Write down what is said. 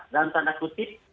dalam tanda kutip